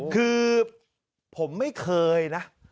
คือผมไม่เคยนะ